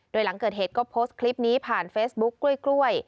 โดยหลังเกิดเหตุก็โพสต์คลิปนี้ผ่านเฟซบุ๊คกล้วย